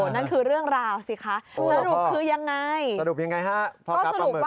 นั่นคือเรื่องราวสิคะสรุปคือยังไงสรุปยังไงฮะพ่อค้าปลาหมึก